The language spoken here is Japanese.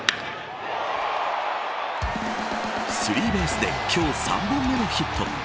スリーベースで今日３本目のヒット。